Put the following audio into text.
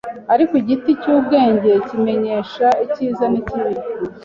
Ariko igiti cy’ubwenge kimenyesha icyiza n’ikibi